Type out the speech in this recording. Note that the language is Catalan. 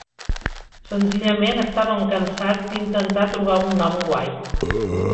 Senzillament estàvem cansats d"intentar trobar un nom guai.